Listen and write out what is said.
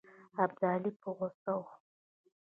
ابدالي په غوسه وو.